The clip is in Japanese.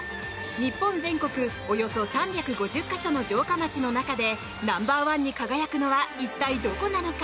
日本全国、およそ３５０か所の城下町の中でナンバー１に輝くのは一体どこなのか？